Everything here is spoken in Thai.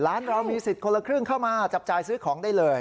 ร้านเรามีสิทธิ์คนละครึ่งเข้ามาจับจ่ายซื้อของได้เลย